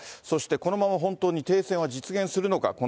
そして、このまま本当に停戦は実現するのか。